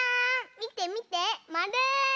みてみてまる！